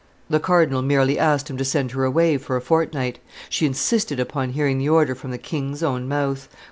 The cardinal merely asked him to send her away for a fortnight. She insisted upon hearing the order from the king's own mouth.